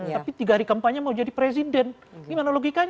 tapi tiga hari kampanye mau jadi presiden